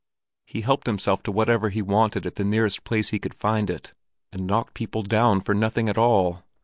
He helped himself to whatever he wanted at the nearest place he could find it, and knocked people down for nothing at all.